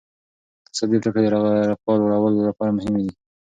اقتصادي پریکړې د رفاه لوړولو لپاره مهمې دي.